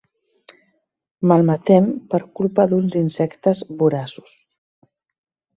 Malmetem per culpa d'uns insectes voraços.